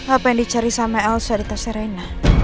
apa yang dicari sama elsa di tas rena